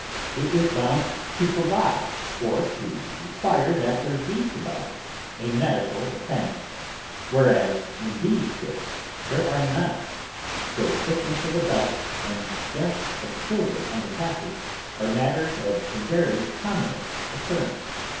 It is bound to provide, or to require that there be provided, a medical attendant; whereas in these ships there are none, though sickness of adults, and deaths of children, on the passage, are matters of the very commonest occurrence.